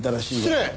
失礼！